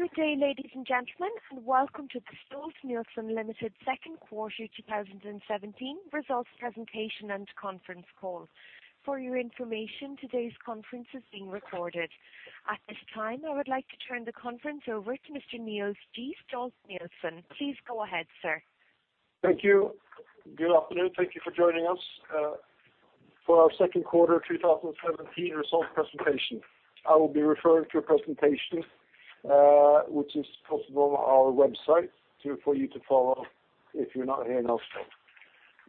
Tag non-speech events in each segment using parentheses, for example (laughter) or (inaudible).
Good day, ladies and gentlemen, and welcome to the Stolt-Nielsen Limited second quarter 2017 results presentation and conference call. For your information, today's conference is being recorded. At this time, I would like to turn the conference over to Mr. Niels G. Stolt-Nielsen. Please go ahead, sir. Thank you. Good afternoon. Thank you for joining us for our second quarter 2017 results presentation. I will be referring to a presentation, which is posted on our website for you to follow if you're not hearing us.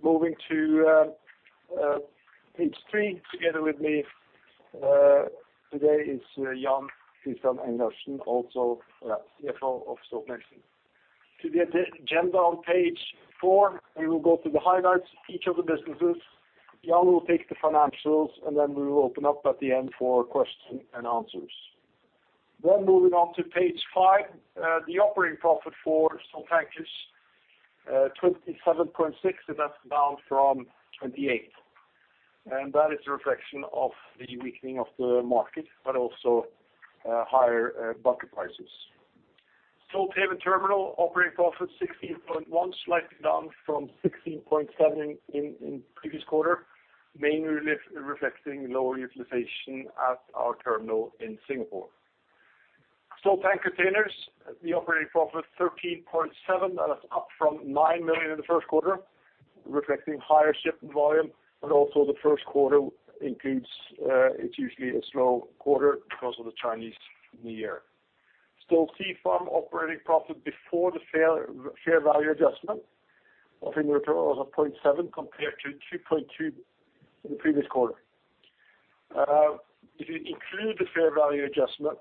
Moving to page three. Together with me, today is Jan Christian Engelhardtsen, CFO of Stolt-Nielsen. To the agenda on page four, we will go through the highlights of each of the businesses. Jan will take the financials, we will open up at the end for question and answers. Moving on to page five, the operating profit for Stolt Tankers, $27.6, that's down from $28. That is a reflection of the weakening of the market, but also higher bunker prices. Stolthaven Terminals operating profit $16.1, slightly down from $16.7 in previous quarter, mainly reflecting lower utilization at our terminal in Singapore. Stolt Tank Containers, the operating profit $13.7. That is up from $9 million in the first quarter, reflecting higher shipping volume, also the first quarter is usually a slow quarter because of the Chinese New Year. Stolt Sea Farm operating profit before the fair value adjustment of inventory was at $0.7 compared to $2.2 in the previous quarter. If you include the fair value adjustment,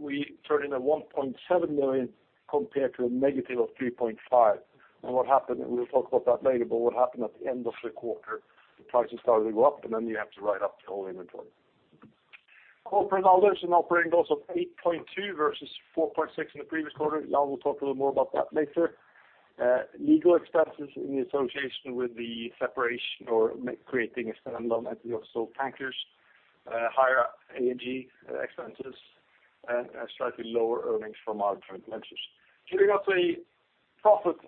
we turn in a $1.7 million compared to a negative of $3.5. We will talk about that later, but what happened at the end of the quarter, the prices started to go up and then you have to write up the whole inventory. Corporate and others, an operating loss of $8.2 versus $4.6 in the previous quarter. Jan will talk a little more about that later. Legal expenses in the association with the separation or creating a standalone entity of Stolt Tankers. Higher A&G expenses and slightly lower earnings from our joint ventures. Giving us a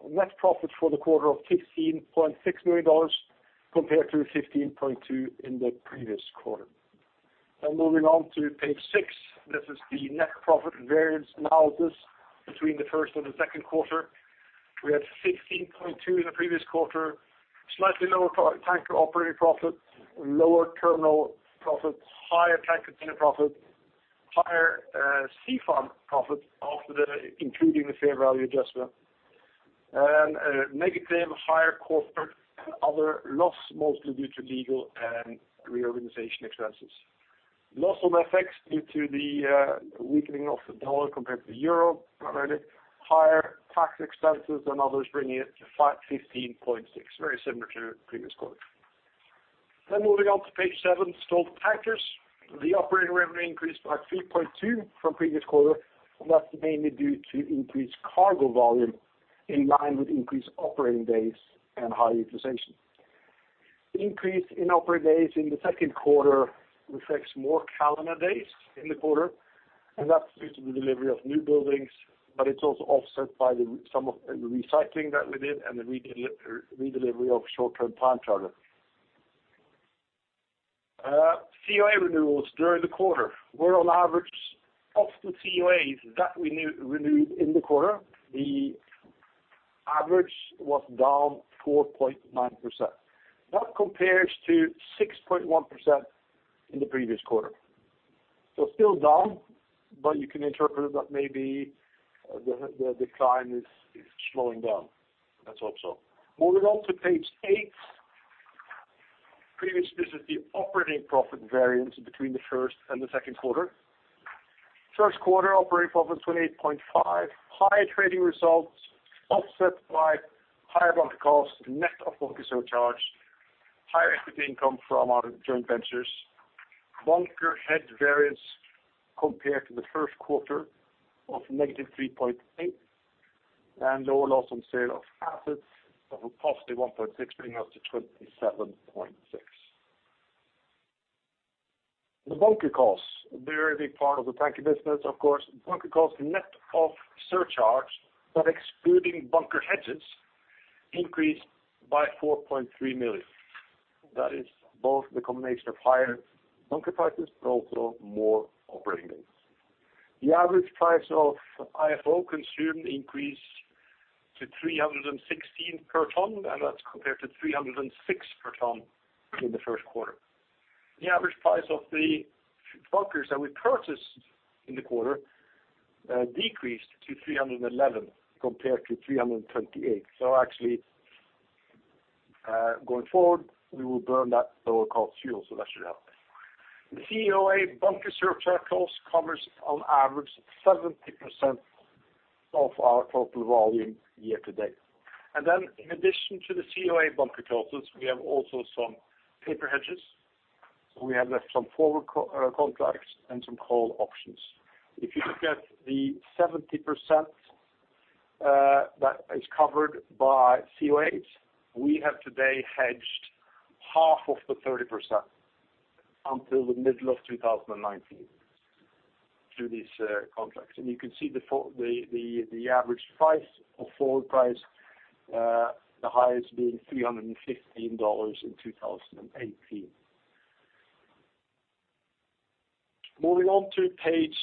net profit for the quarter of $15.6 million compared to $15.2 in the previous quarter. Moving on to page six. This is the net profit variance analysis between the first and the second quarter. We had $16.2 in the previous quarter, slightly lower tanker operating profit, lower terminal profit, higher tank container profit, higher Stolt Sea Farm profit including the fair value adjustment, a negative higher corporate and other loss mostly due to legal and reorganization expenses. Loss on FX due to the weakening of the dollar compared to the EUR primarily. Higher tax expenses and others bringing it to $15.6, very similar to the previous quarter. Moving on to page seven, Stolt Tankers. The operating revenue increased by 3.2% from previous quarter. That is mainly due to increased cargo volume in line with increased operating days and high utilization. Increase in operating days in the second quarter reflects more calendar days in the quarter. That is due to the delivery of new buildings. It is also offset by some of the recycling that we did and the redelivery of short-term time charter. COA renewals during the quarter were on average of the COAs that we renewed in the quarter, the average was down 4.9%. That compares to 6.1% in the previous quarter. Still down, you can interpret that maybe the decline is slowing down. Let's hope so. Moving on to page eight. This is the operating profit variance between the first and the second quarter. First quarter operating profit $28.5 million. Higher trading results offset by higher bunker costs, net of bunker surcharge, higher equity income from our joint ventures. Bunker hedge variance compared to the first quarter of -$3.8 million and lower loss on sale of assets of a +$1.6 million, bringing us to $27.6 million. The bunker costs, a very big part of the tanker business, of course. Bunker costs net of surcharge, excluding bunker hedges, increased by $4.3 million. That is both the combination of higher bunker prices, also more operating days. The average price of IFO consumed increased to $316 per ton. That is compared to $306 per ton in the first quarter. The average price of the bunkers that we purchased in the quarter decreased to $311 compared to $328. Actually, going forward, we will burn that lower cost fuel, that should help. The COA bunker surcharge cost covers on average 70% of our total volume year to date. In addition to the COA bunker costs, we have also some paper hedges. We have left some forward contracts and some call options. If you look at the 70% that is covered by COAs. We have today hedged half of the 30% until the middle of 2019 through these contracts. You can see the average price or forward price, the highest being $315 in 2018. Moving on to page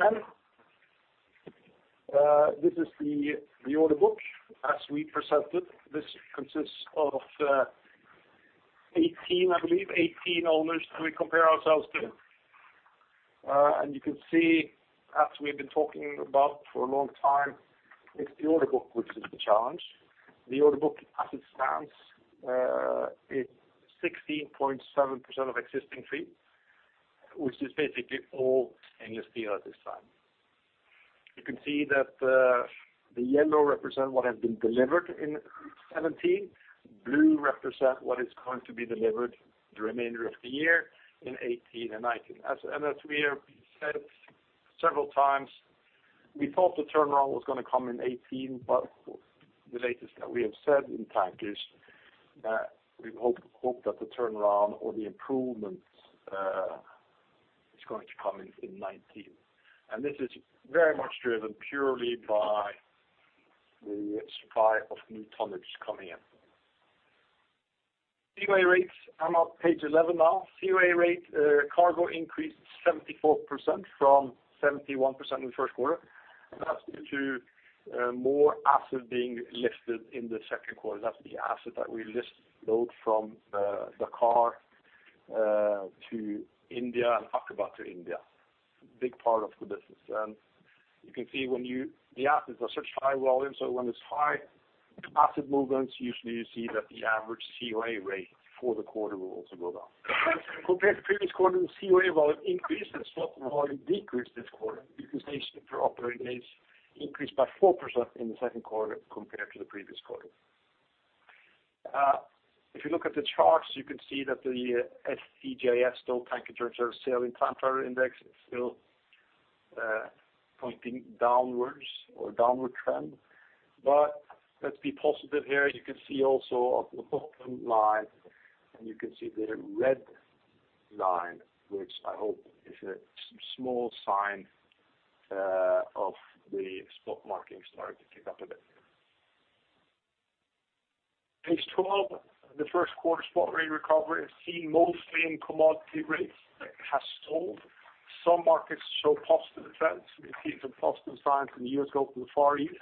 10. This is the order book. As we presented, this consists of 18 owners that we compare ourselves to. You can see, as we have been talking about for a long time, it is the order book which is the challenge. The order book, as it stands is 16.7% of existing fleet, which is basically all English steel at this time. You can see that the yellow represent what has been delivered in 2017. Blue represent what is going to be delivered the remainder of the year in 2018 and 2019. As we have said several times, we thought the turnaround was going to come in 2018. The latest that we have said in fact is that we hope that the turnaround or the improvement is going to come in 2019. This is very much driven purely by the supply of new tonnage coming in. COA rates. I am on page 11 now. COA rate cargo increased 74% from 71% in the first quarter. That is due to more assets being lifted in the second quarter. That is the asset that we load from Dakar to India and Aqaba to India. Big part of the business. You can see the assets are such high volume, so when it's high asset movements, usually you see that the average COA rate for the quarter will also go down. Compared to previous quarter, the COA volume increased and spot volume decreased this quarter because days per operating days increased by 4% in the second quarter compared to the previous quarter. If you look at the charts, you can see that the STJS, Stolt Tankers Joint Service is still pointing downward trend. Let's be positive here. You can see also the bottom line, and you can see the red line, which I hope is a small sign of the spot market starting to pick up a bit. Page 12. The first quarter spot rate recovery is seen mostly in commodity rates that has stalled. Some markets show positive trends. We have seen some positive signs in the U.S. Gulf and Far East.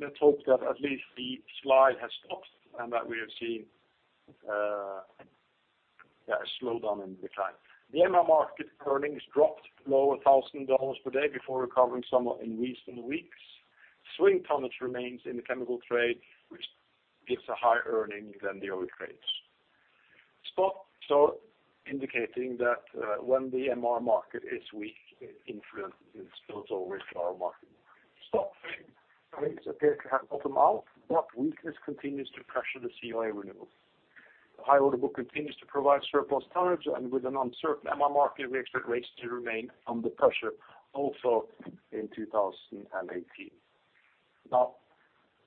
Let's hope that at least the slide has stopped and that we have seen a slowdown in decline. The MR market earnings dropped below $1,000 per day before recovering somewhat in recent weeks. Swing tonnage remains in the chemical trade, which gives a higher earning than the other trades. Spot, indicating that when the MR market is weak, it spills over into our market. Spot rates appear to have bottomed out, but weakness continues to pressure the COA renewals. The high order book continues to provide surplus tonnage and with an uncertain MR market, we expect rates to remain under pressure also in 2018.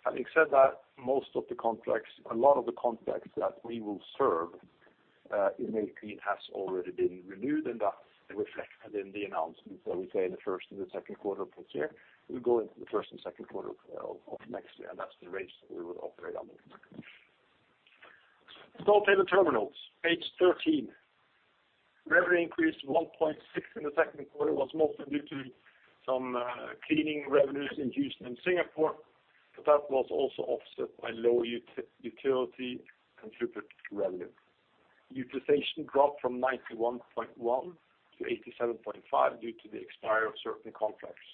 Having said that, a lot of the contracts that we will serve in 2018 has already been renewed, and that's reflected in the announcements that we say in the first and the second quarter of this year. We go into the first and second quarter of next year, and that's the rates that we will operate on. Stolthaven Terminals, page 13. Revenue increased to $1.6 in the second quarter, was mostly due to some cleaning revenues in Houston and Singapore, but that was also offset by lower utility contributor revenue. Utilization dropped from 91.1% to 87.5% due to the expiry of certain contracts.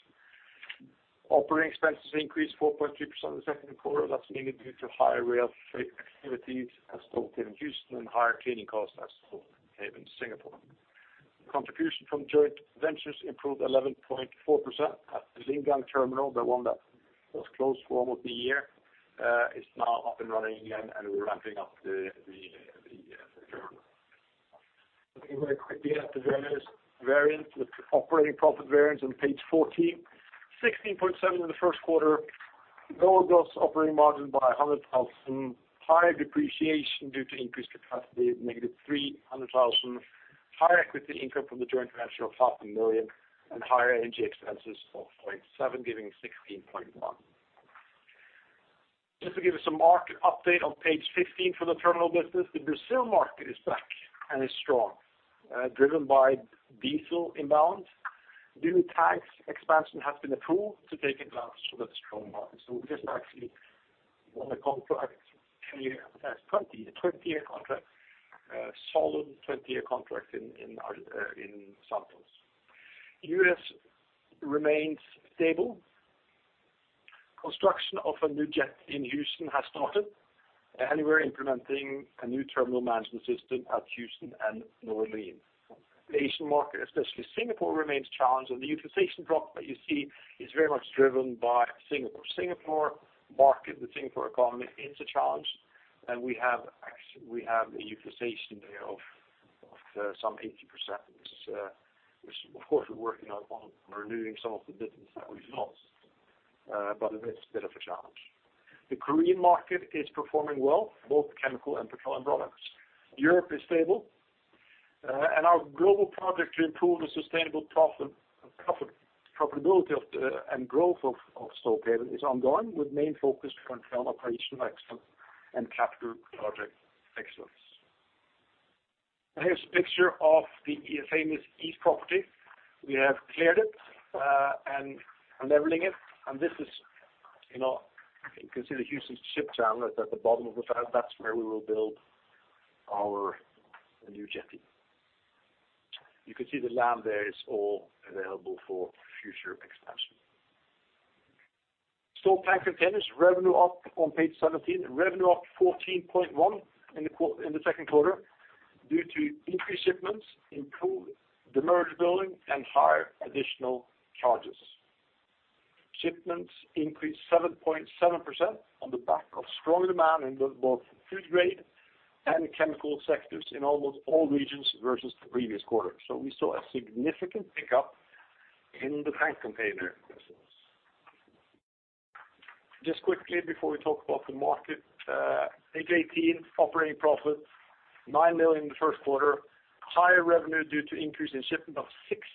Operating expenses increased 4.3% in the second quarter. That's mainly due to higher rail activities at Stolthaven in Houston and higher cleaning costs at Stolthaven in Singapore. Contribution from joint ventures improved 11.4% at the Lingang terminal. The one that was closed for almost a year is now up and running again, and we're ramping up the terminal. Looking very quickly at the variance with operating profit variance on page 14. $16.7 in the first quarter lower gross operating margin by $100,000. Higher depreciation due to increased capacity, negative $300,000. Higher equity income from the joint venture of half a million and higher SG&A expenses of $0.7 giving $16.1. Just to give us a market update on page 15 for the terminal business. The Brazil market is back and is strong, driven by diesel imbalance. New tanks expansion has been approved to take advantage of that strong market. We just actually won a contract, a 20-year contract, solid 20-year contract in Santos. U.S. remains stable. Construction of a new jetty in Houston has started, and we are implementing a new terminal management system at Houston and New Orleans. The Asian market, especially Singapore, remains challenged and the utilization drop that you see is very much driven by Singapore. Singapore market, the Singapore economy is a challenge. We have a utilization there of some 80%, which, of course, we're working on renewing some of the business that we've lost. It is a bit of a challenge. The Korean market is performing well, both chemical and petroleum products. Europe is stable. Our global project to improve the sustainable profitability and growth of Stolt is ongoing, with the main focus to confirm operational excellence and capital project excellence. Here is a picture of the famous east property. We have cleared it and are leveling it. You can see the Houston Ship Channel at the bottom of the site. That is where we will build our new jetty. You can see the land there is all available for future expansion. Stolt Tank Containers, revenue up on page 17. Revenue up 14.1% in the second quarter due to increased shipments, improved demurrage billing, and higher additional charges. Shipments increased 7.7% on the back of strong demand in both food grade and chemical sectors in almost all regions versus the previous quarter. We saw a significant pickup in the tank container business. Just quickly before we talk about the market, page 18, operating profit, $9 million in the first quarter. Higher revenue due to increase in shipment of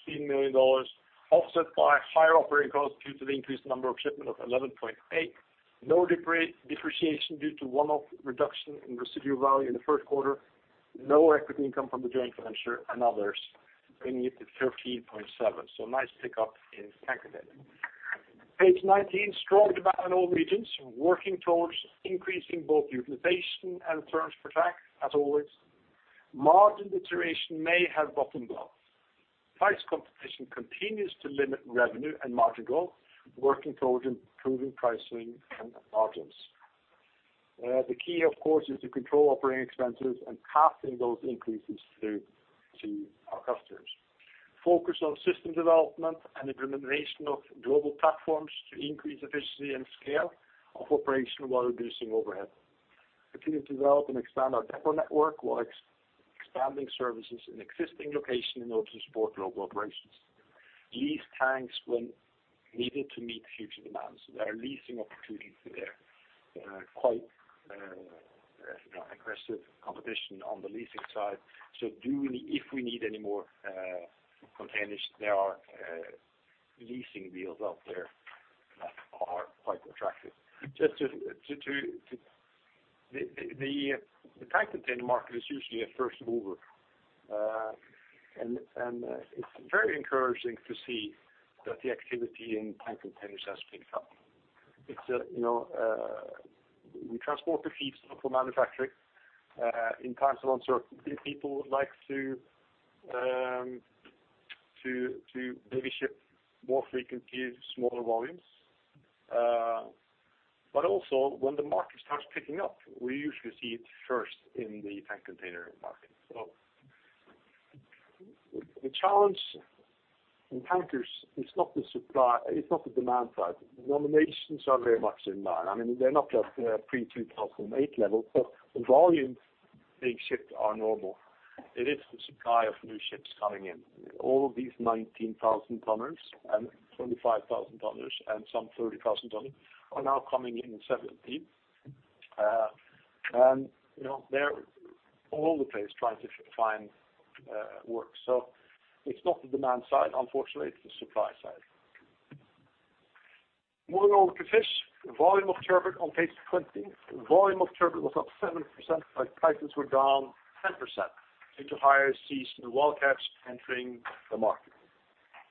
$16 million, offset by higher operating costs due to the increased number of shipment of $11.8 million. No depreciation due to one-off reduction in residual value in the first quarter. No equity income from the joint venture and others, bringing it to $13.7 million. Nice pickup in Tank Container. Page 19, strong demand in all regions. Working towards increasing both utilization and terms per tank, as always. Margin deterioration may have bottomed out. Price competition continues to limit revenue and margin growth. Working towards improving pricing and margins. The key, of course, is to control operating expenses and passing those increases through to our customers. Focus on system development and implementation of global platforms to increase efficiency and scale of operation while reducing overhead. Continue to develop and expand our depot network while expanding services in existing locations in order to support global operations. Lease tanks when needed to meet future demands. There are leasing opportunities there. Quite aggressive competition on the leasing side. If we need any more containers, there are leasing deals out there that are quite attractive. The tank container market is usually a first mover, and it's very encouraging to see that the activity in tank containers has picked up. We transport the feedstock for manufacturing in tanks. People like to maybe ship more frequently with smaller volumes. Also, when the market starts picking up, we usually see it first in the tank container market. The challenge in tankers is not the demand side. The nominations are very much in line. They are not at pre-2008 levels, but the volumes being shipped are normal. It is the supply of new ships coming in. All of these 19,000 tonners and 25,000 tonners and some 30,000 tonners are now coming in in 2017. They are all over the place trying to find work. It's not the demand side, unfortunately. It's the supply side. Moving on to fish. Volume of turbot on page 20. Volume of turbot was up 7%, but prices were down 10% due to higher seasonal wild catch entering the market.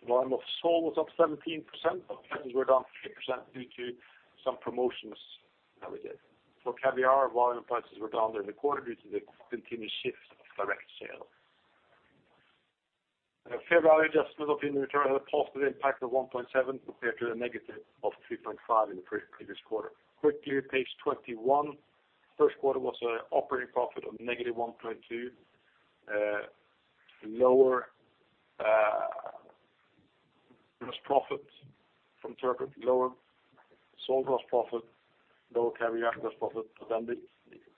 Volume of sole was up 17%, but prices were down 3% due to some promotions that we did. For caviar, volume and prices were down during the quarter due to the continued shift of direct sales. Fair value adjustment of inventory had a positive impact of $1.7 compared to the negative of $3.5 in the previous quarter. Quickly, page 21. First quarter was an operating profit of -$1.2. Lower gross profit from turbot, lower sole gross profit, lower caviar gross profit.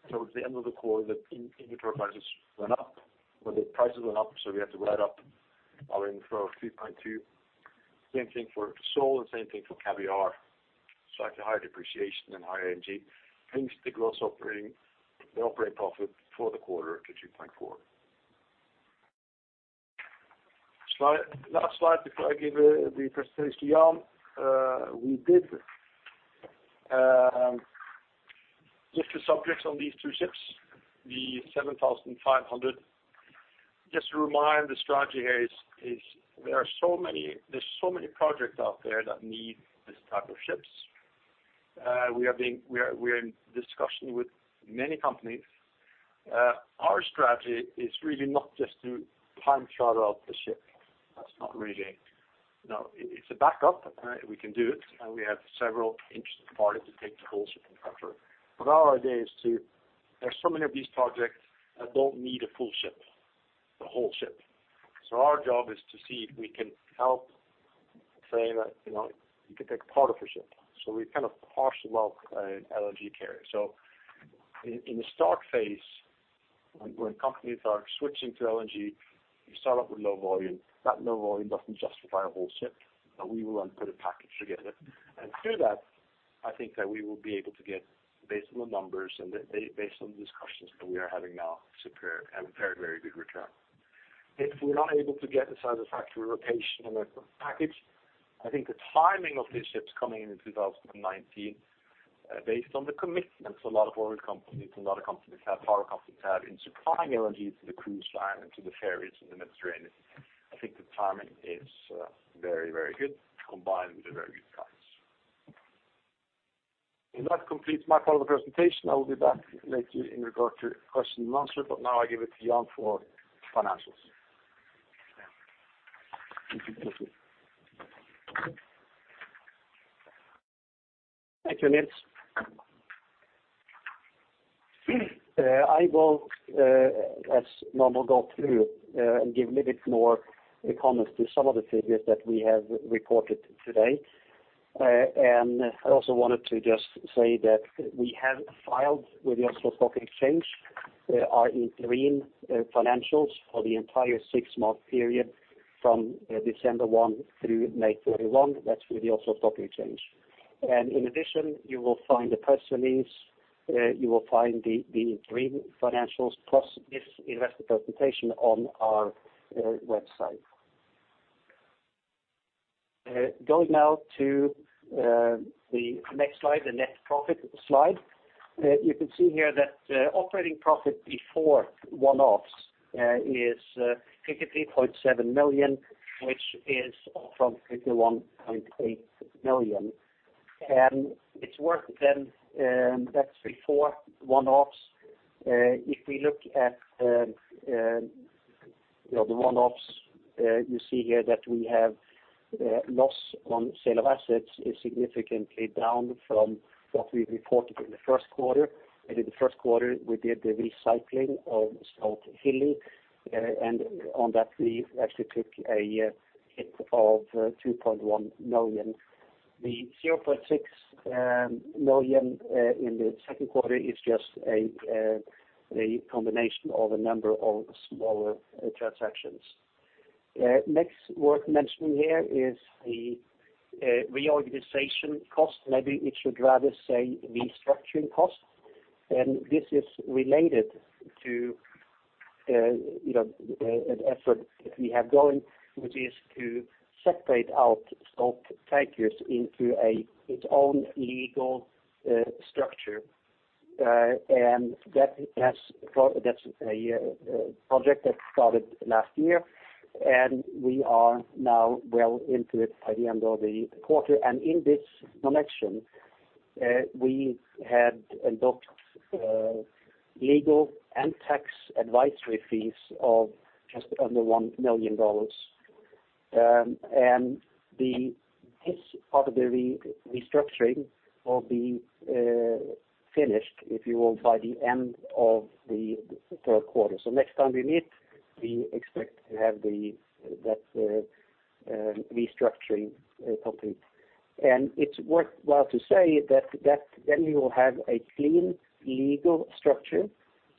Towards the end of the quarter, the inventory prices went up. When the prices went up, we had to write up our (inaudible) $3.2. Same thing for sole and same thing for caviar. Slightly higher depreciation and higher A&G brings the operating profit for the quarter to $2.4. Last slide before I give the presentation to Jan. We did just the subjects on these two ships, the 7,500. Just to remind, the strategy here is there are so many projects out there that need this type of ships. We are in discussion with many companies. Our strategy is really not just to time charter out the ship. That's not really. It's a backup. We can do it, and we have several interested parties to take the whole ship in charter. Our idea is there are so many of these projects that don't need a full ship, the whole ship. Our job is to see if we can help, saying that you could take part of your ship. We partial out an LNG carrier. In the start phase when companies are switching to LNG, you start up with low volume. That low volume doesn't justify a whole ship. We will put a package together. Through that, I think that we will be able to get, based on the numbers and based on the discussions that we are having now, superior and very good return. If we're not able to get a satisfactory rotation on that package, I think the timing of these ships coming in 2019, based on the commitments a lot of oil companies and a lot of power companies have in supplying LNG to the cruise line and to the ferries in the Mediterranean. I think the timing is very good, combined with the very good price. That completes my part of the presentation. I will be back later in regard to question and answer, but now I give it to Jan for financials. Thank you, Niels. I will, as normal, go through and give a little bit more comments to some of the figures that we have reported today. I also wanted to just say that we have filed with the Oslo Stock Exchange our interim financials for the entire six-month period from December 1 through May 31. That is with the Oslo Stock Exchange. In addition, you will find the press release, you will find the interim financials plus this investor presentation on our website. Going now to the next slide, the net profit slide. You can see here that operating profit before one-offs is $53.7 million, which is up from $51.8 million. It is worth then, that is before one-offs. If we look at the one-offs, you see here that we have a loss on sale of assets is significantly down from what we reported in the first quarter. In the first quarter, we did the recycling of Stolt Hilli, and on that we actually took a hit of $2.1 million. The $0.6 million in the second quarter is just a combination of a number of smaller transactions. Next worth mentioning here is the reorganization cost. Maybe it should rather say restructuring cost. This is related to an effort that we have going, which is to separate out Stolt Tankers into its own legal structure. That is a project that started last year, and we are now well into it by the end of the quarter. In this connection, we had adopted legal and tax advisory fees of just under $1 million. This part of the restructuring will be finished, if you will, by the end of the third quarter. Next time we meet, we expect to have that restructuring complete. It is worthwhile to say that then we will have a clean legal structure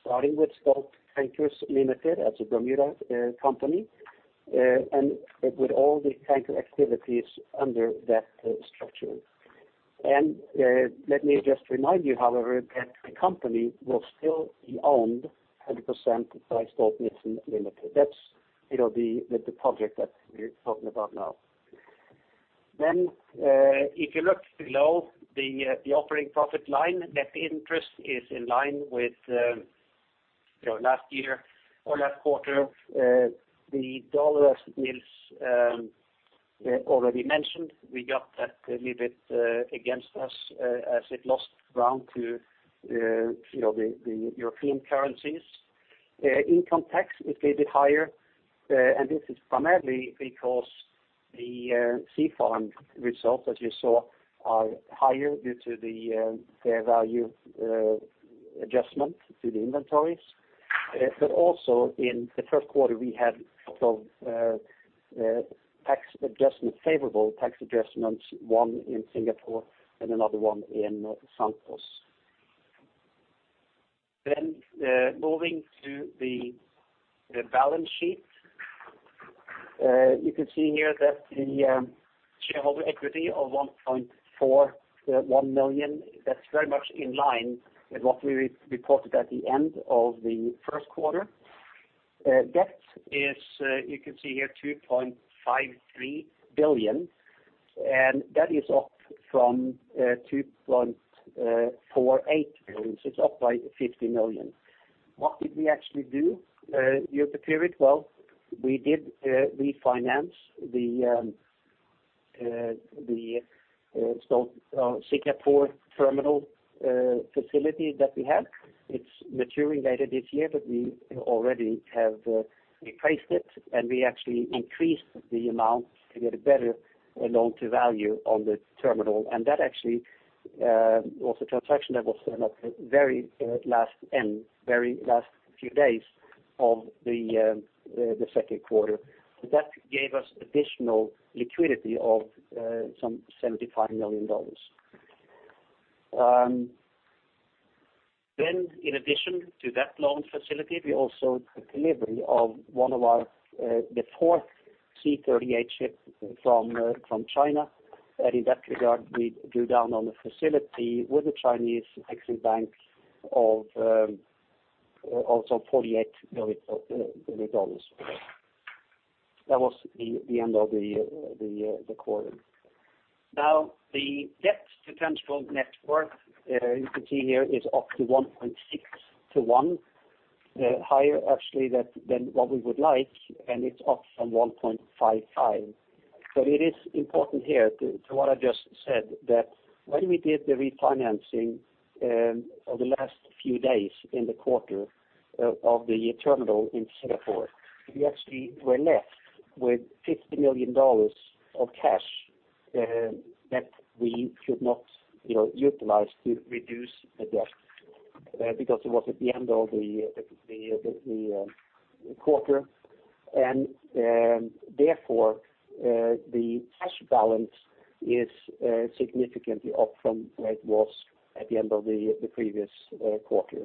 starting with Stolt Tankers Limited as a Bermuda company, and with all the tanker activities under that structure. Let me just remind you, however, that the company will still be owned 100% by Stolt-Nielsen Limited. That is the project that we are talking about now. If you look below the operating profit line, net interest is in line with last year or last quarter. The dollar, as Nils already mentioned, we got that a little bit against us as it lost ground to the European currencies. Income tax is a bit higher, this is primarily because the Stolt Sea Farm results, as you saw, are higher due to the fair value adjustment to the inventories. Also in the first quarter, we had a couple of favorable tax adjustments, one in Singapore and another one in Santos. Moving to the balance sheet. You can see here that the shareholder equity of $1.41 billion, that is very much in line with what we reported at the end of the first quarter. Debt is, you can see here, $2.53 billion, and that is up from $2.48 billion. It is up by $50 million. What did we actually do during the period? Well, we did refinance the Singapore terminal facility that we have. It is maturing later this year, but we already have replaced it, and we actually increased the amount to get a better loan-to-value on the terminal. That actually was a transaction that was signed up very last few days of the second quarter. That gave us additional liquidity of some $75 million. In addition to that loan facility, we also had the delivery of the fourth C38 ship from China. In that regard, we drew down on the facility with the Chinese Exim Bank of also $48 million. That was the end of the quarter. The debt to tangible net worth, you can see here, is up to 1.6 to one, higher actually than what we would like, and it's up from 1.55. It is important here, to what I just said, that when we did the refinancing for the last few days in the quarter of the terminal in Singapore, we actually were left with $50 million of cash that we could not utilize to reduce the debt. It was at the end of the quarter. Therefore, the cash balance is significantly up from where it was at the end of the previous quarter.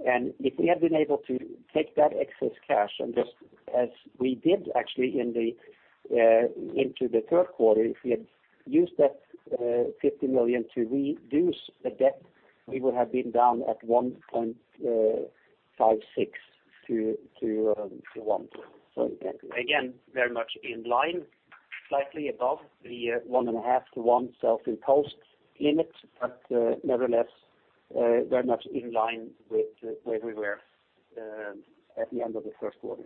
If we had been able to take that excess cash, and just as we did actually into the third quarter, if we had used that $50 million to reduce the debt, we would have been down at 1.56 to one. Again, very much in line, slightly above the one and a half to one self-imposed limit, but nevertheless, very much in line with where we were at the end of the first quarter.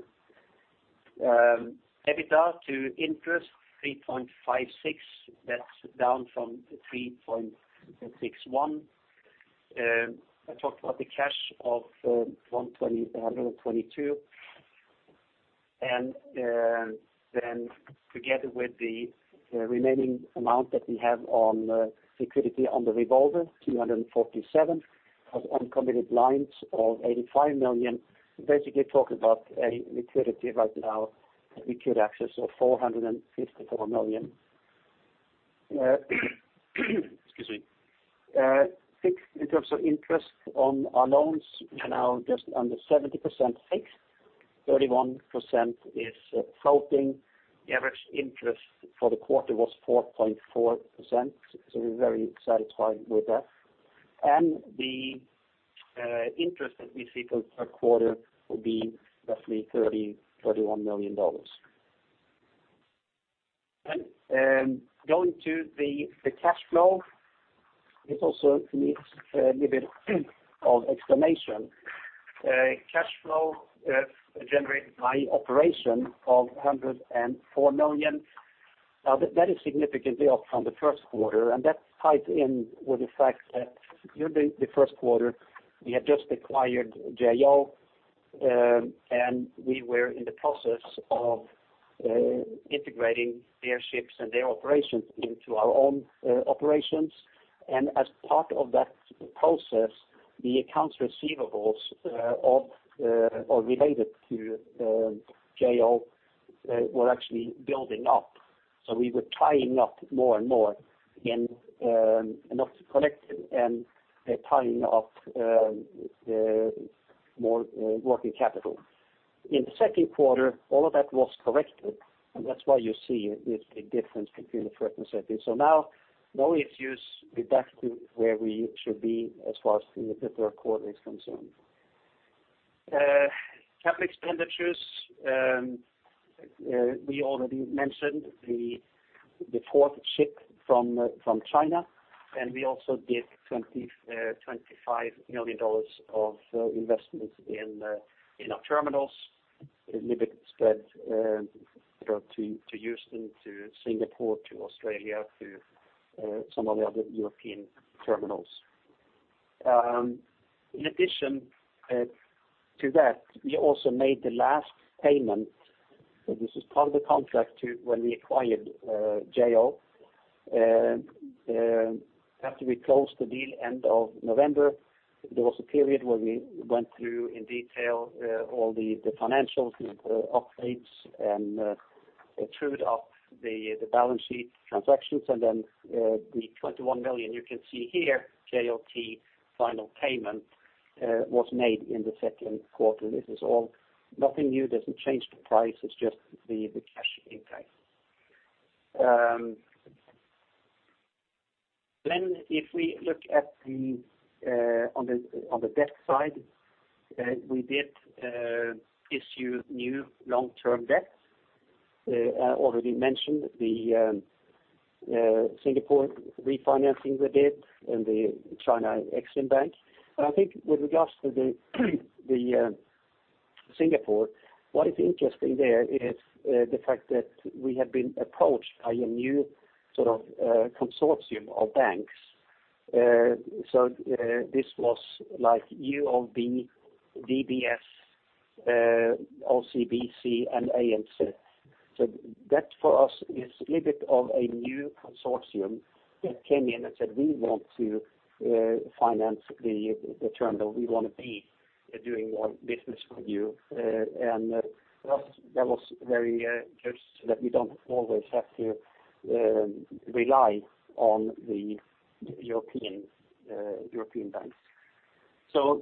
EBITDA to interest, 3.56. That's down from 3.61. I talked about the cash of $122. Together with the remaining amount that we have on liquidity on the revolver, $247, of uncommitted lines of $85 million, basically talking about a liquidity right now that we could access of $454 million. Excuse me. Fixed in terms of interest on our loans are now just under 70% fixed, 31% is floating. The average interest for the quarter was 4.4%. We're very satisfied with that. The interest that we seek per quarter will be roughly $30, $31 million. Going to the cash flow, this also needs a little bit of explanation. Cash flow generated by operation of $104 million. That is significantly up from the first quarter, and that ties in with the fact that during the first quarter, we had just acquired Jo Tankers. We were in the process of integrating their ships and their operations into our own operations. As part of that process, the accounts receivables related to Jo Tankers were actually building up. We were tying up more and more in not collected, and tying up more working capital. In the second quarter, all of that was corrected, and that's why you see the difference between the first and second. Now it's just back to where we should be as far as the third quarter is concerned. Capital expenditures, we already mentioned the fourth ship from China, and we also did $25 million of investment in our terminals, a little bit spread to Houston, to Singapore, to Australia, to some of the other European terminals. In addition to that, we also made the last payment. This is part of the contract to when we acquired Jo Tankers. After we closed the deal end of November, there was a period where we went through in detail all the financials, the updates, and trued up the balance sheet transactions, and then the $21 million you can see here, Jo Tankers final payment, was made in the second quarter. This is all nothing new, doesn't change the price, it's just the cash impact. If we look on the debt side, we did issue new long-term debt. I already mentioned the Singapore refinancing we did and the China Exim Bank. With regards to the Singapore, what is interesting there is the fact that we have been approached by a new consortium of banks. This was like UOB, DBS, OCBC and ANZ. That for us is a little bit of a new consortium that came in and said, "We want to finance the terminal. We want to be doing business with you." For us, that was very good so that we don't always have to rely on the European banks.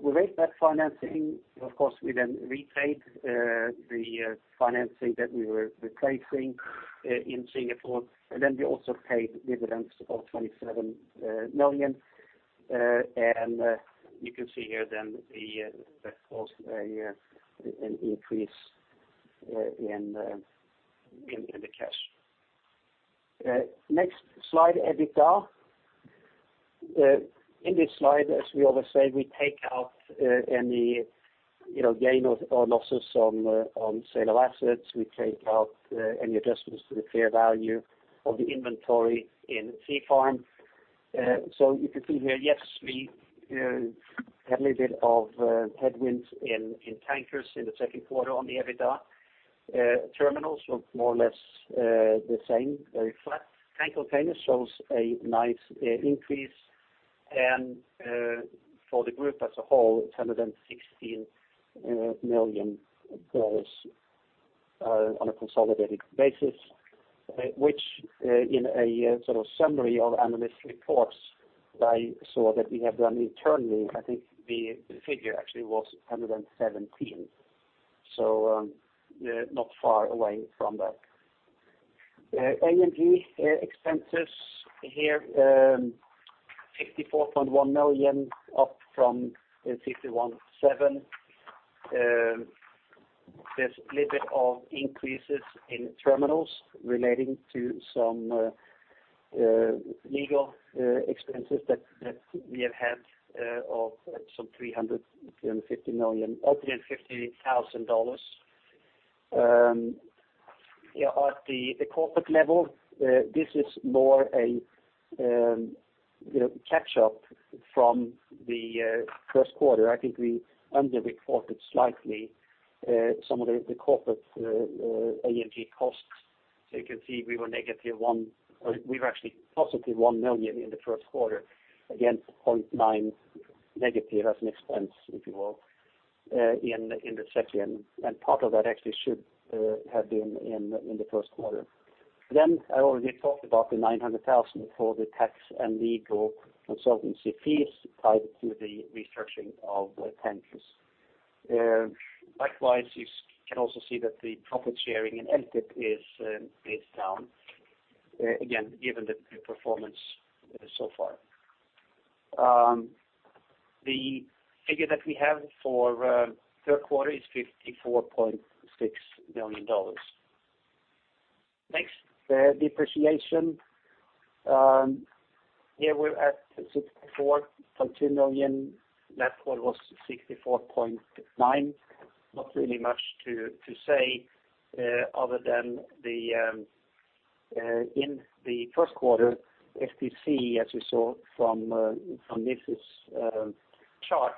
We raised that financing. We repaid the financing that we were replacing in Singapore. We also paid dividends of $27 million. You can see here then that caused an increase in the cash. Next slide, EBITDA. In this slide, as we always say, we take out any gain or losses on sale of assets. We take out any adjustments to the fair value of the inventory in Stolt Sea Farm. You can see here, yes, we had a little bit of headwinds in Stolt Tankers in the second quarter on the EBITDA. Stolthaven Terminals was more or less the same, very flat. Stolt Tank Containers shows a nice increase, and for the group as a whole, $116 million on a consolidated basis, which in a summary of analyst reports that I saw that we have done internally, I think the figure actually was 117. Not far away from that. A&G expenses here, $54.1 million, up from $51.7 million. There's a little bit of increases in Stolthaven Terminals relating to some legal expenses that we have had of some $350,000. At the corporate level this is more a catch-up from the first quarter. I think we under-reported slightly some of the corporate A&G costs. You can see we were actually positive $1 million in the first quarter, against $0.9 million negative as an expense, if you will, in the second. Part of that actually should have been in the first quarter. I already talked about the $900,000 for the tax and legal consultancy fees tied to the restructuring of Stolt Tankers. Likewise, you can also see that the profit sharing in (inaudible) is down, again, given the performance so far. The figure that we have for third quarter is $54.6 million. Next, depreciation. Here we're at $64.2 million. Last quarter was $64.9 million. Not really much to say other than in the first quarter, STC, as you saw from Niels chart,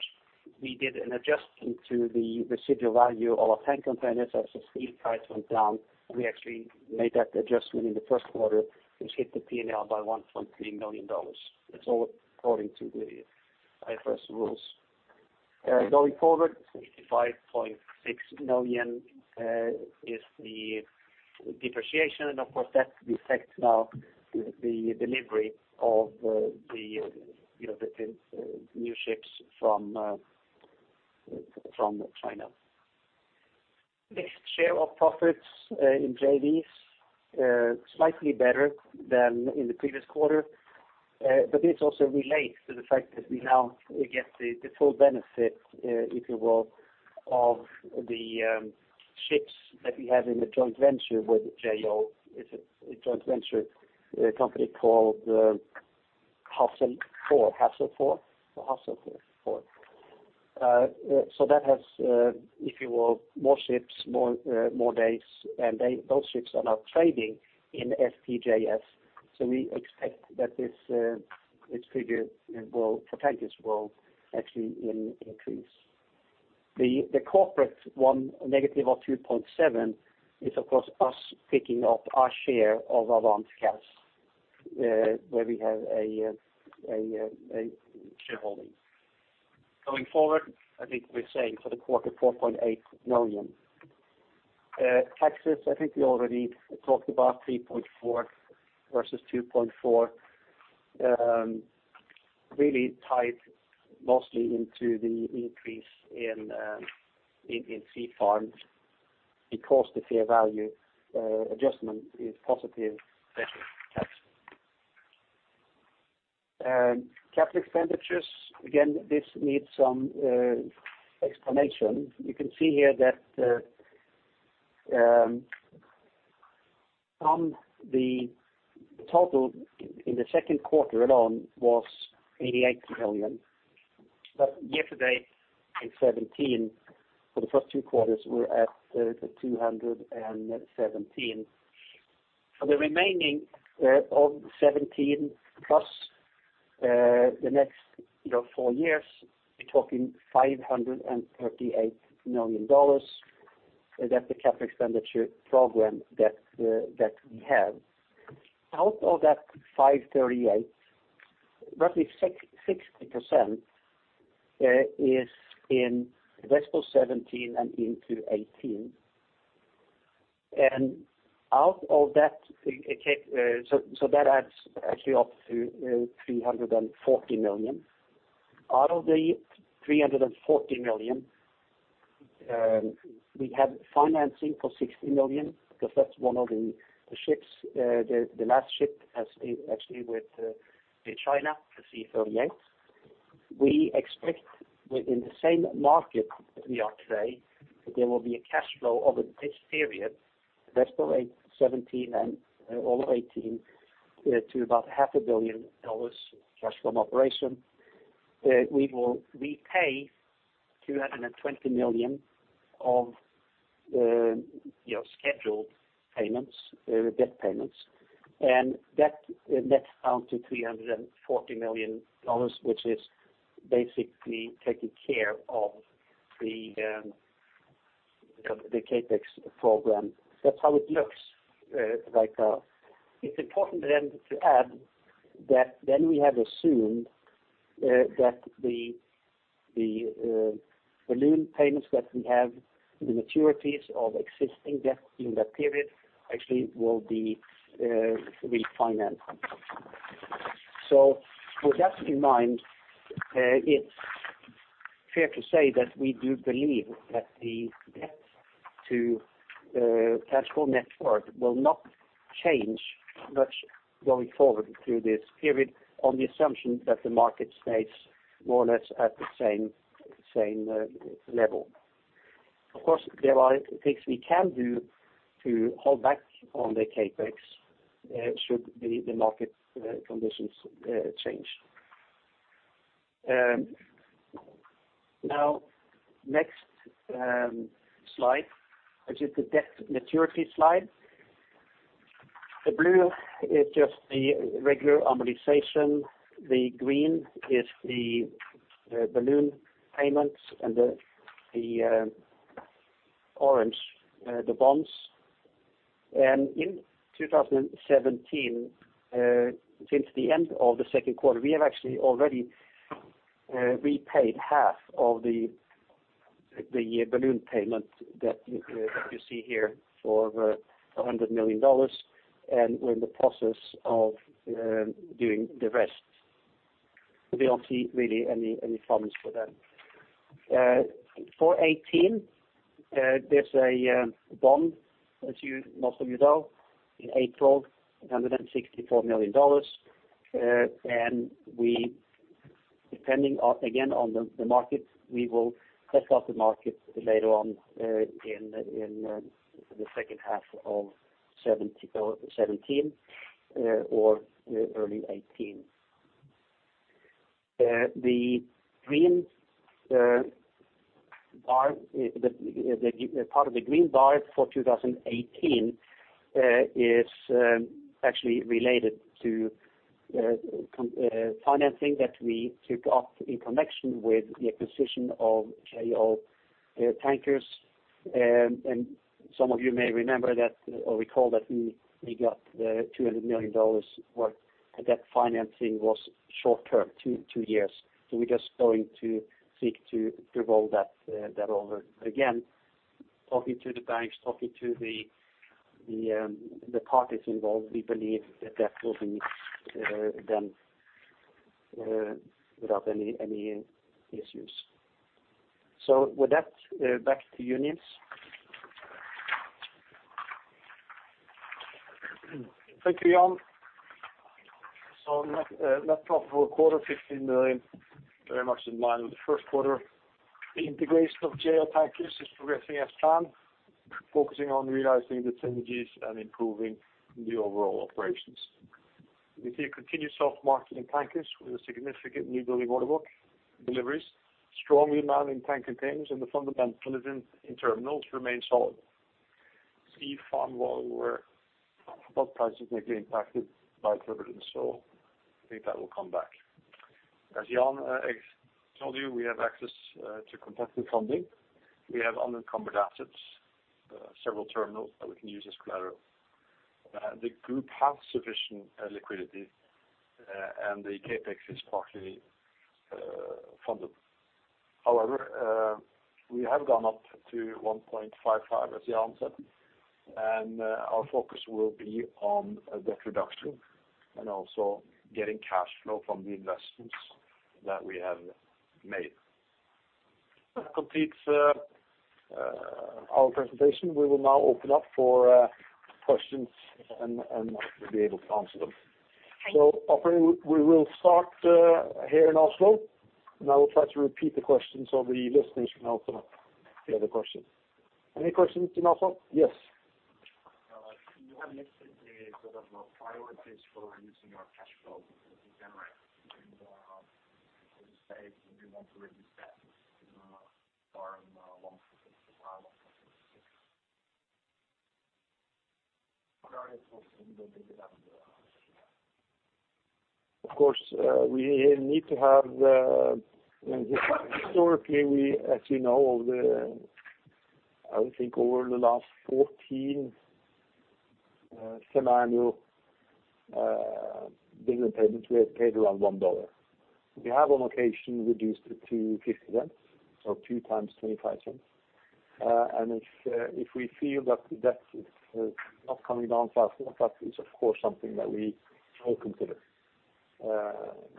we did an adjustment to the residual value of our Stolt Tank Containers as the steel price went down. We actually made that adjustment in the first quarter, which hit the P&L by $1.3 million. It's all according to the IFRS rules. Going forward, $65.6 million is the depreciation, and of course, that reflects now the delivery of the new ships from China. Next, share of profits in JVs, slightly better than in the previous quarter. This also relates to the fact that we now get the full benefit, if you will, of the ships that we have in the joint venture with J.O. It's a joint venture company called Hassel4. That has, if you will, more ships, more days, and those ships are now trading in STJS. We expect that this figure for Tankers will actually increase. The corporate one, negative $2.7 million, is of course us picking up our share of Avenir LNG where we have a shareholding. Going forward, I think we're saying for the quarter, $4.8 million. Taxes, I think we already talked about $3.4 million versus $2.4 million. Really tied mostly into the increase in Stolt Sea Farm because the fair value adjustment is positive tax. Capital expenditures, again, this needs some explanation. You can see here that the total in the second quarter alone was $88 million. Yesterday, Q 2017, for the first two quarters, we're at $217 million. For the remaining of 2017 plus the next four years, we're talking $538 million. That's the capital expenditure program that we have. Out of that $538 million, roughly 60% is in the rest of 2017 and into 2018. That adds actually up to $340 million. Out of the $340 million, we have financing for $60 million because that's one of the ships, the last ship actually with China, the C38. We expect that in the same market that we are today, that there will be a cash flow over this period, the rest of 2017 and all of 2018, to about half a billion dollars cash from operation. We will repay $220 million of scheduled debt payments, that nets down to $340 million, which is basically taking care of the CapEx program. That's how it looks like. It's important then to add that then we have assumed that the balloon payments that we have, the maturities of existing debt in that period actually will be refinanced. With that in mind, it's fair to say that we do believe that the debt to cash flow net forward will not change much going forward through this period on the assumption that the market stays more or less at the same level. Of course, there are things we can do to hold back on the CapEx should the market conditions change. Next slide, which is the debt maturity slide. The blue is just the regular amortization. The green is the balloon payments and the orange, the bonds. In 2017, since the end of the second quarter, we have actually already repaid half of the balloon payment that you see here for $100 million and we're in the process of doing the rest. We don't see really any problems for them. For 2018, there's a bond, as most of you know, in April, $164 million. Depending again on the market, we will test out the market later on in the second half of 2017 or early 2018. Part of the green bar for 2018 is actually related to financing that we took up in connection with the acquisition of Jo Tankers. Some of you may remember that or recall that we got the $200 million where that financing was short term, two years. We're just going to seek to roll that over. Again, talking to the banks, talking to the parties involved, we believe that that will be done without any issues. With that, back to you, Niels. Thank you, Jan. Net profitable quarter, $15 million, very much in line with the first quarter. The integration of Jo Tankers is progressing as planned, focusing on realizing the synergies and improving the overall operations. We see a continued soft market in tankers with a significant new building order book deliveries. Strong demand in tanker trades and the fundamentals in terminals remain solid. Stolt Sea Farm while were above price is negatively impacted by, (inaudible) so I think that will come back. As Jan told you, we have access to competitive funding. We have unencumbered assets, several terminals that we can use as collateral. The group has sufficient liquidity, and the CapEx is partly funded. However, we have gone up to 1.55, as Jan said, and our focus will be on debt reduction and also getting cash flow from the investments that we have made. That completes our presentation. We will now open up for questions and we will be able to answer them. Operator, we will start here in Oslo, and I will try to repeat the questions on the listening so I open up the other questions. Any questions in Oslo? Yes. You had mentioned the sort of priorities for using your cash flow that you generate in the space and you want to reduce debt. Bar in 165, 166. Regarding also the dividend. Of course, we need to have historically, as you know, I would think over the last 14 semiannual dividend payments, we have paid around $1. We have on occasion reduced it to $0.50 or two times $0.25. If we feel that the debt is not coming down fast enough, that is, of course, something that we will consider,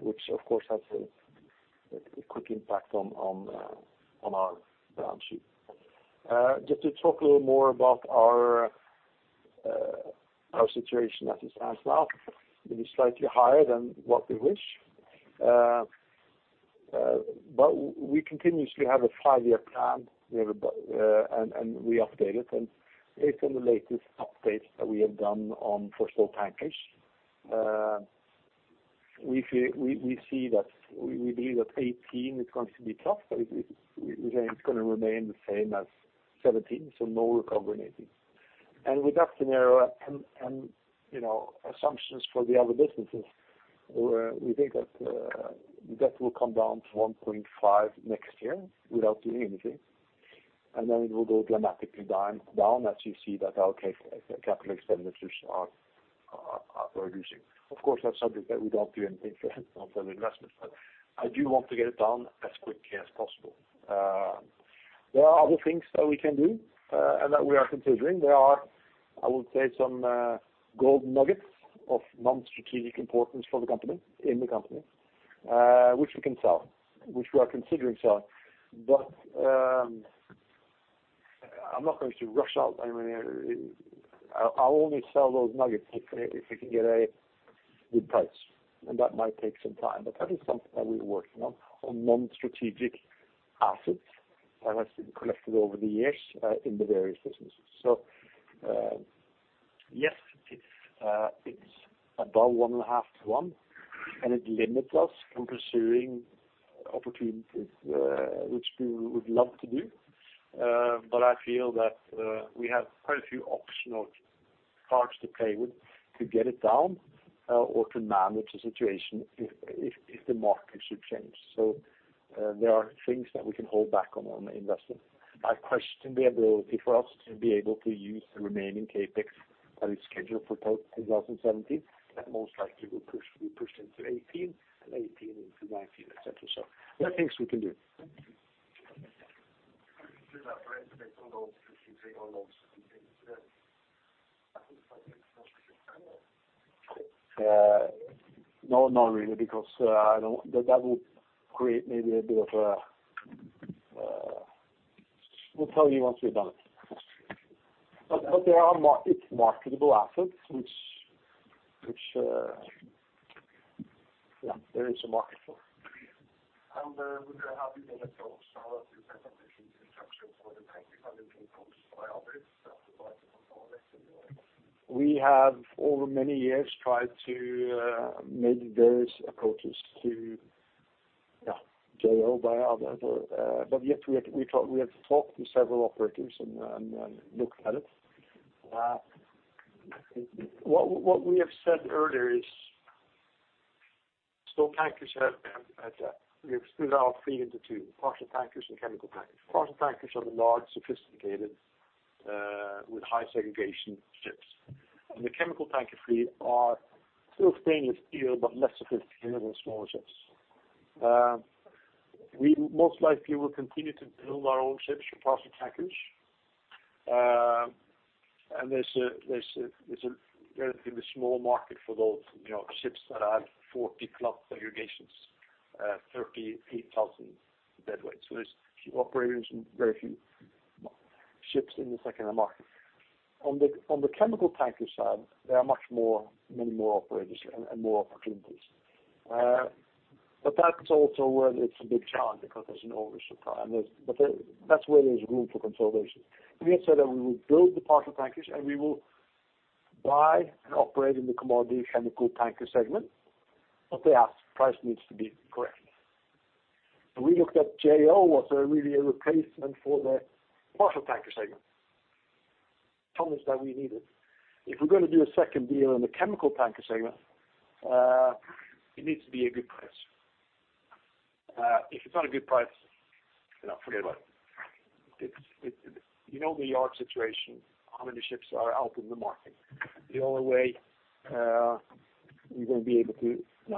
which of course has a quick impact on our balance sheet. We continuously have a five-year plan, and we update it. Based on the latest updates that we have done for Stolt Tankers, we believe that 2018 is going to be tough. It's going to remain the same as 2017, so no recovery in 2018. With that scenario and assumptions for the other businesses, we think that will come down to 1.5 next year without doing anything. Then it will go dramatically down as you see that our capital expenditures are reducing. Of course, that is something that we do not do anything for on term investments, but I do want to get it down as quickly as possible. There are other things that we can do and that we are considering. There are, I would say, some gold nuggets of non-strategic importance in the company which we can sell, which we are considering selling. I am not going to rush out. I will only sell those nuggets if we can get a good price, and that might take some time, but that is something that we are working on non-strategic assets that has been collected over the years in the various businesses. Yes, it is above one and a half to one, and it limits us from pursuing opportunities, which we would love to do. I feel that we have quite a few optional cards to play with to get it down or to manage the situation if the market should change. There are things that we can hold back on investment. I question the ability for us to be able to use the remaining CapEx that is scheduled for 2017, that most likely will be pushed into 2018 and 2018 into 2019, et cetera. There are things we can do. Does that raise based on those 15 or those 17 today? I think it is like No, not really. We will tell you once we have done it. It is marketable assets which, yeah, there is a market for. Would there have been a thought to sell it to set up this structure for the tankers by others? We have, over many years, tried to make various approaches to J-O, buy others. We have talked to several operators and looked at it. What we have said earlier is Stolt Tankers have split our fleet into two, parcel tankers and chemical tankers. Parcel tankers are the large, sophisticated, with high segregation ships. The chemical tanker fleet are still stainless steel, but less sophisticated and smaller ships. We most likely will continue to build our own ships for parcel tankers. There's a relatively small market for those ships that have 40+ segregations, 38,000 deadweight. There's few operators and very few ships in the second market. On the chemical tanker side, there are many more operators and more opportunities. That is also where it's a big challenge because there's an oversupply, but that's where there's room for consolidation. We have said that we will build the parcel tankers, and we will buy and operate in the commodity chemical tanker segment, but the price needs to be correct. We looked at J-O, was there really a replacement for the parcel tanker segment? Told us that we need it. If we're going to do a second deal in the chemical tanker segment, it needs to be a good price. If it's not a good price, forget about it. You know the yard situation, how many ships are out in the market. No,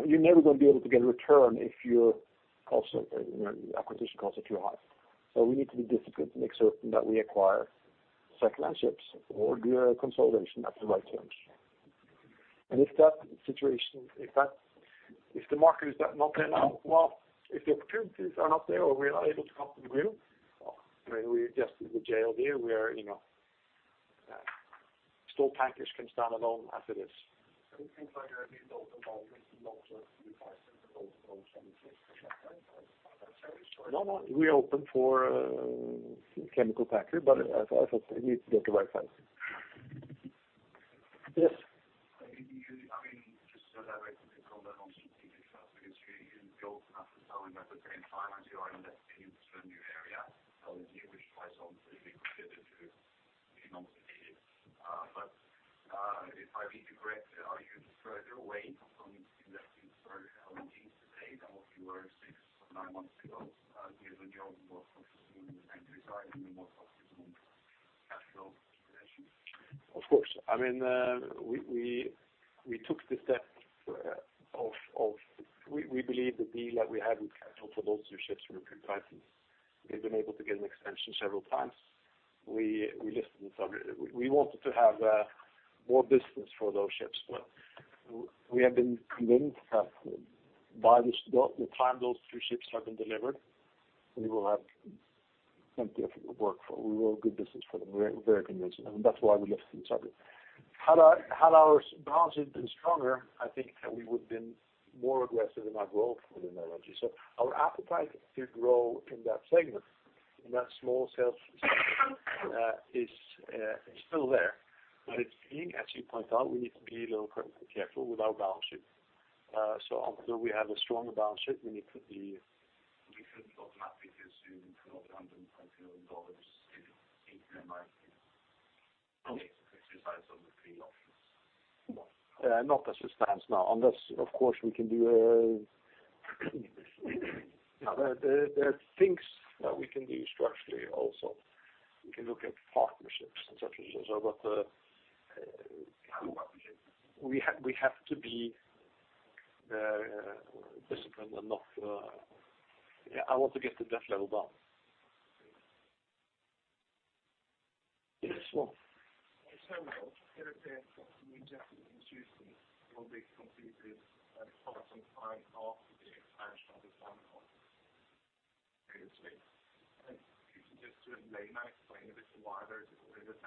you're never going to be able to get a return if your acquisition cost is too high. We need to be disciplined to make certain that we acquire secondhand ships or do a consolidation at the right terms. If that situation, if the market is not there now, well, if the opportunities are not there or we're not able to come to an agreement, we adjusted the J-O deal where Stolt Tankers can stand alone as it is. You think by your asset involvement in assets and also some ships, is that right? Is that so? No. We're open for chemical tanker, but as I said, we need to get the right price. Yes. You're using (inaudible) selling at the same time as you are investing in this new area, LNG, which by its own should be considered to be non-competitive. If I read you correctly, are you further away from investing in LNG today than what you were six or nine months ago given your more focusing on the tanker side and more focusing on capital preservation? Of course. We took the step. We believe the deal that we had with Capital for those two ships were too expensive. We've been able to get an extension several times. We listed the subject. We wanted to have more business for those ships, but we have been convinced that by the time those two ships have been delivered, we will have plenty of work for them. We will have good business for them. We are very convinced, and that's why we listed the subject. Had our balance sheet been stronger, I think that we would have been more aggressive in our growth within LNG. Our appetite to grow in that segment, in that small scale segment, is still there. As you point out, we need to be a little careful with our balance sheet. Although we have a stronger balance sheet. We couldn't automatically assume $220 million in net income to exercise on the three options. Not as it stands now, unless, of course, we can do. There are things that we can do structurally also. We can look at partnerships and such and such. How about the ships? We have to be disciplined. I want to get the debt level down. Yes, go on. The [third pier] for the new jetty in Houston will be completed sometime after the expansion of the terminal previously. Could you just in layman explain a bit why there is a delay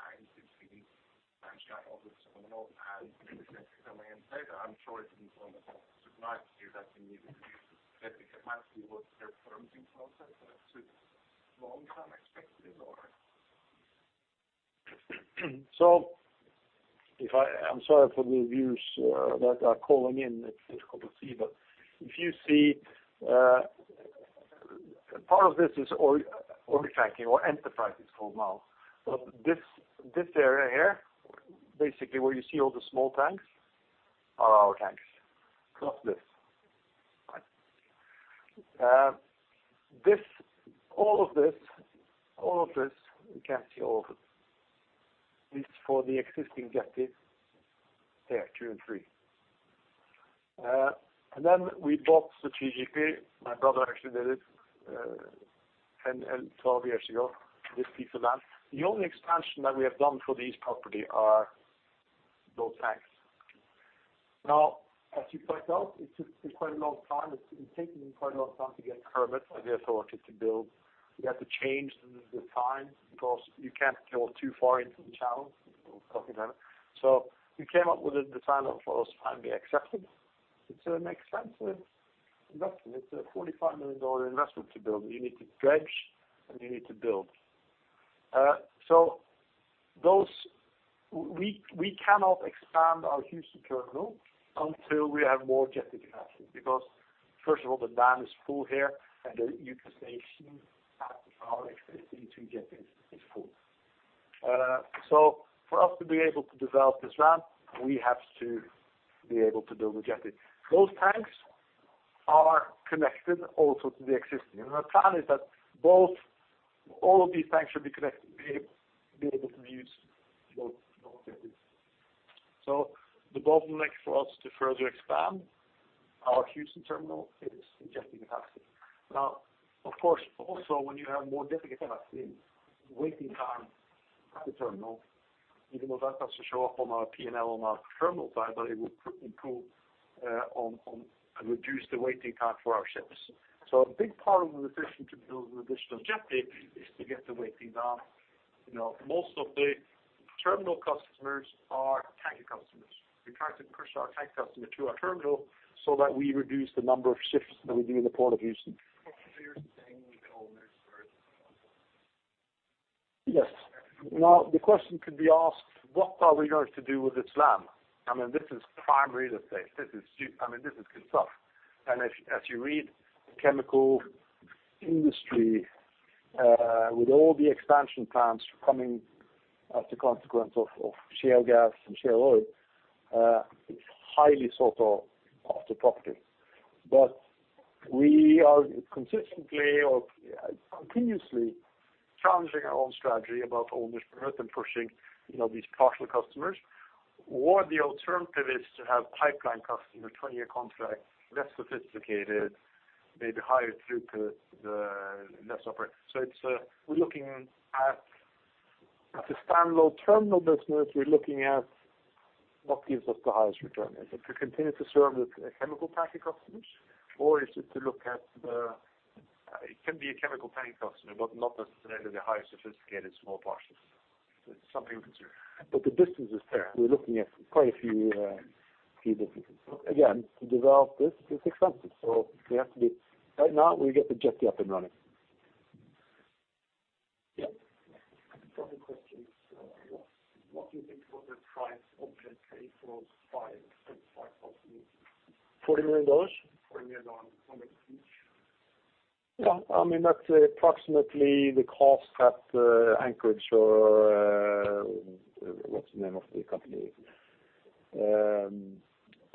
between expansion of the terminal and the new jetty coming inside? I'm sure it's an almost stupid idea that you need a jetty. It might be what their permitting process takes a long time expected or? I'm sorry for the viewers that are calling in, it's difficult to see but if you see, part of this is Oiltanking or Enterprise it's called now. This area here, basically where you see all the small tanks, are our tanks. Not this. Right. All of this, you can't see all of it, is for the existing jetty. There, two and three. We bought strategically, my brother actually did it, 12 years ago, this piece of land. The only expansion that we have done for this property are those tanks. As you point out, it took quite a long time. It's been taking quite a long time to get a permit from the authority to build. We had to change the design because you can't go too far into the channel. We were talking about it. We came up with a design that was finally accepted. It makes sense. It's investing. It's a $45 million investment to build. You need to dredge, and you need to build. We cannot expand our Houston terminal until we have more jetty capacity because first of all, the dock is full here and the utilization of our existing two jetties is full. For us to be able to develop this land, we have to be able to build a jetty. Those tanks are connected also to the existing. Our plan is that all of these tanks should be able to be used with those jetties. The bottleneck for us to further expand our Houston terminal is the jetty capacity. Of course, also when you have more jetty capacity, waiting time at the terminal, even though that doesn't show up on our P&L on our terminal side, but it will improve on and reduce the waiting time for our ships. A big part of the decision to build an additional jetty is to get the waiting down. Most of the terminal customers are tanker customers. We're trying to push our tank customer to our terminal so that we reduce the number of ships that we do in the Port of Houston. You're saying owners first? Yes. The question could be asked, what are we going to do with this land? This is prime real estate. This is good stuff. As you read, chemical industry with all the expansion plans coming as a consequence of shale gas and shale oil is highly sought after property. We are consistently or continuously challenging our own strategy about owners first and pushing these partial customers. The alternative is to have pipeline customer, 20-year contract, less sophisticated, maybe higher throughput, less operate. We're looking at a stand-alone terminal business. We're looking at what gives us the highest return. Is it to continue to serve the chemical tanker customers, or is it to look at the It can be a chemical tank customer, but not necessarily the higher sophisticated small parcels. It's something we consider. The business is there. We're looking at quite a few businesses. To develop this, it's expensive. Right now, we'll get the jetty up and running. What do you think was the price of the three $405,000? $40 million? $40 million. How much each? Yeah, that's approximately the cost that Anchorage or, what's the name of the company?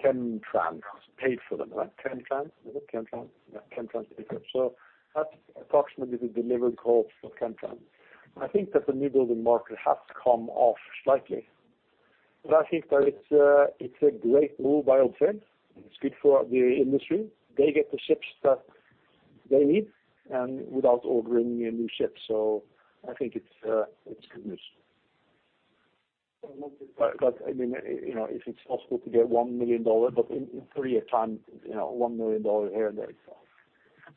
Chemtran paid for them, right? Chemtran? Is it Chemtran? Yeah, Chemtran paid for them. That's approximately the delivered cost for Chemtran. I think that the new building market has come off slightly. I think that it's a great rule by Stolt. It's good for the industry. They get the ships that they need and without ordering any new ships, I think it's good news. If it's possible to get $1 million, but in three a time, $1 million here and there.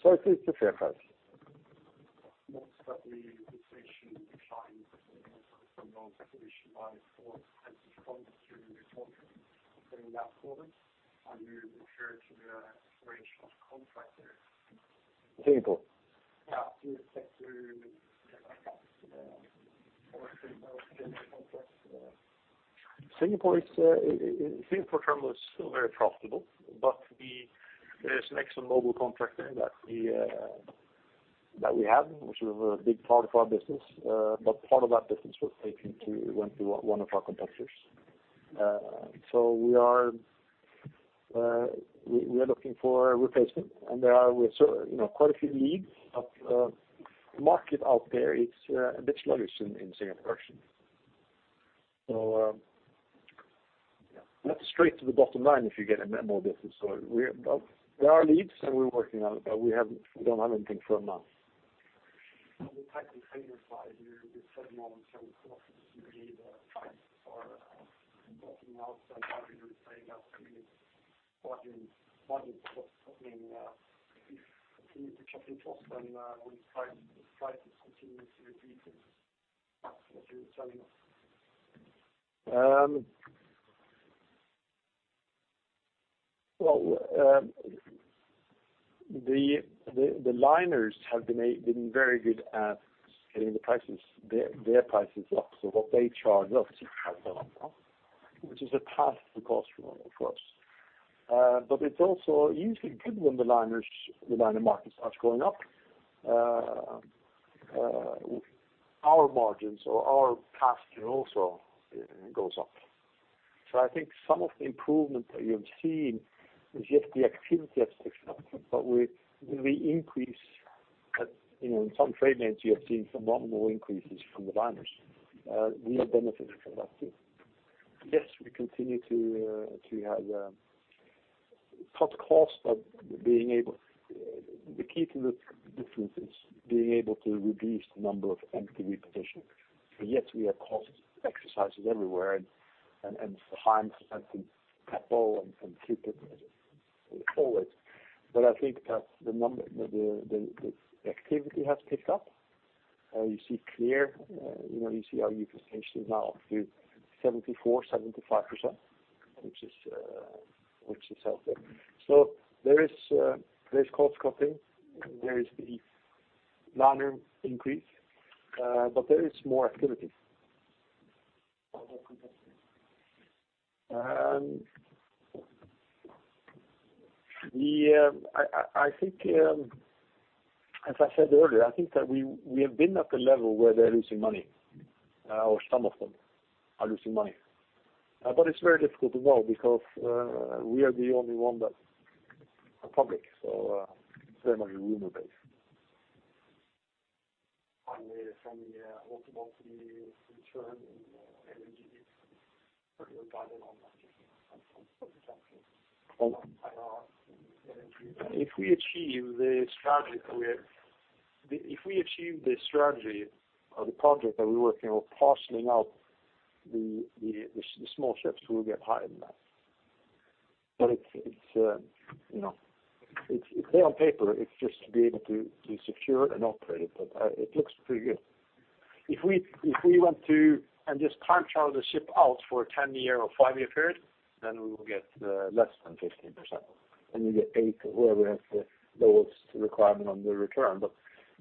I think it's a fair price. Not that the position declined 1.4% from the previous quarter. During that quarter, are you referring to the operational contract there? Singapore. Yeah. Do you expect to get back up to the original contract? Singapore terminal is still very profitable, there is an ExxonMobil contract there that we had, which was a big part of our business. Part of that business went to one of our competitors. We are looking for a replacement, and there are quite a few leads, the market out there, it's a bit sluggish in Singapore. That's straight to the bottom line if you get a new business. There are leads, and we're working on it, we don't have anything firm now. On the technical side, you said margins and costs, you believe prices are bottoming out. Some partners are saying that the margin, if you need to chop in cost, will the prices continue to decrease is what you are telling us? Well, the liners have been very good at getting their prices up. What they charge us has gone up, which is a pass through cost for them, of course. It is also usually good when the liner market starts going up. Our margins or our pass through also goes up. I think some of the improvement that you have seen is just the activity has picked up, but with the increase, in some trade lanes, you have seen some (inaudible) increases from the liners. We have benefited from that too. Yes, we continue to have cut costs, the key to the difference is being able to reduce the number of empty repositioning. Yet we have cost exercises everywhere and sometimes have to cut back and keep it forward. I think that the activity has picked up. You see our utilization is now up to 74%, 75%, which is helpful. There is cost cutting and there is the liner increase, there is more activity. How about competitors? I think, as I said earlier, I think that we have been at the level where they're losing money, or some of them are losing money. It's very difficult to know because we are the only one that are public, so it's very much rumor based. From the (inaudible) return in LNG, it's pretty good guidance on that. If we achieve the strategy or the project that we're working on parceling out the small ships, we will get higher than that. There on paper, it's just to be able to secure and operate it, but it looks pretty good. If we want to and just time charter the ship out for a 10-year or 5-year period, then we will get less than 15%, and we get 8 or wherever is the lowest requirement on the return.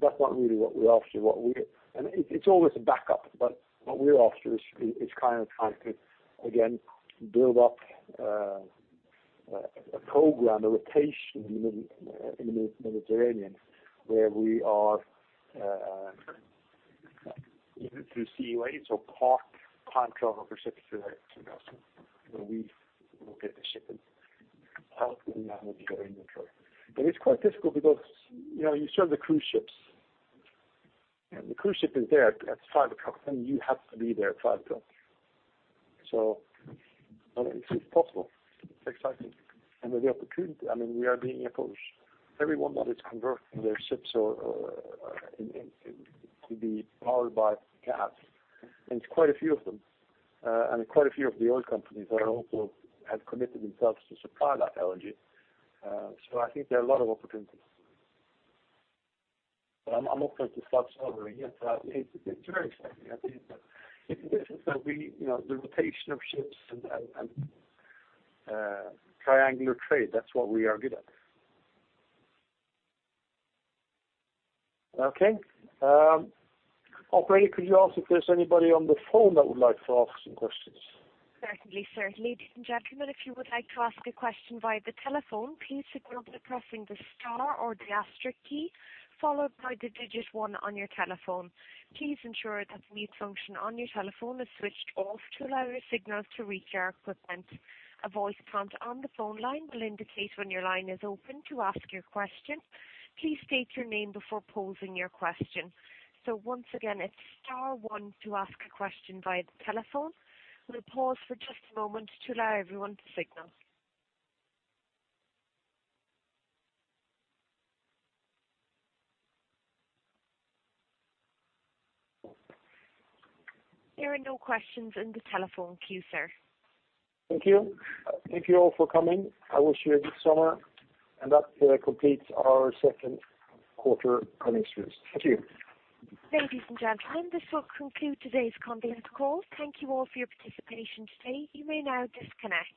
That's not really what we're after. It's always a backup, but what we're after is trying to, again, build up a program, a rotation in the Mediterranean where we are into COA, so park time charter for ships there, where we will get the ship and hopefully not go empty. It's quite difficult because you serve the cruise ships. The cruise ship is there at five o'clock, and you have to be there at five o'clock. It's possible. It's exciting. With the opportunity, we are being approached. Everyone now is converting their ships to be powered by cats. It's quite a few of them, and quite a few of the oil companies are also have committed themselves to supply that LNG. I think there are a lot of opportunities. I'm not going to start swearing yet. It's very exciting. I think that if this is where we, the rotation of ships and triangular trade, that's what we are good at. Operator, could you ask if there's anybody on the phone that would like to ask some questions? Certainly, sir. Ladies and gentlemen, if you would like to ask a question via the telephone, please begin by pressing the star or the asterisk key, followed by the digit one on your telephone. Please ensure that the mute function on your telephone is switched off to allow your signal to reach our equipment. A voice prompt on the phone line will indicate when your line is open to ask your question. Please state your name before posing your question. Once again, it's star one to ask a question via the telephone. We'll pause for just a moment to allow everyone to signal. There are no questions in the telephone queue, sir. Thank you. Thank you all for coming. I wish you a good summer. That completes our second quarter earnings news. Thank you. Ladies and gentlemen, this will conclude today's conference call. Thank you all for your participation today. You may now disconnect.